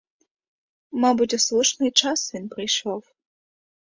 Мабуть, у слушний час він прийшов.